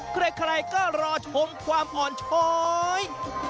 ใครก็รอชมความอ่อนช้อย